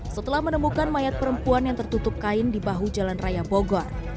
setelah menemukan mayat perempuan yang tertutup kain di bahu jalan raya bogor